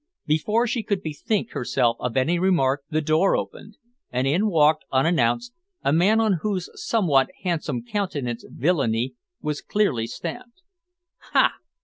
Before she could bethink herself of any remark the door opened, and in walked, unannounced, a man on whose somewhat handsome countenance villainy was clearly stamped. "Ha!